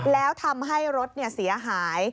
แล้วทำให้รถเสียหาย